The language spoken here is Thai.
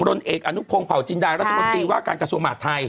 นเอกอนุพงศ์เผาจินดารัฐมนตรีว่าการกระทรวงมหาดไทย